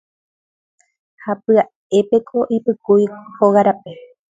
Ha pya'épeko oipykúi hóga rape.